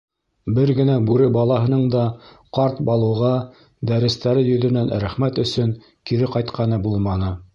Бер генә бүре балаһының да ҡарт Балуға дәрестәре йөҙөнән рәхмәт өсөн кире ҡайтҡаны булманы.